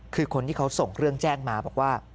คือคนที่เขาส่งเรื่องแจ้งมาบอกว่า